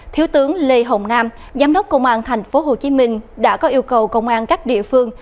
thiếu tướng lê hồng nam giám đốc công an tp hcm đã có yêu cầu công an các địa phương